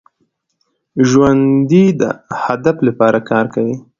ژوندي د هدف لپاره کار کوي